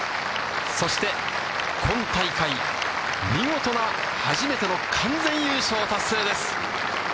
そして、今大会、見事な初めての完全優勝達成です。